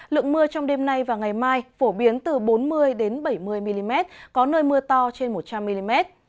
lượng mưa trong đêm nay và ngày mai phổ biến từ bốn mươi bảy mươi mm có nơi mưa to trên một trăm linh mm